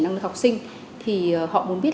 năng lực học sinh thì họ muốn biết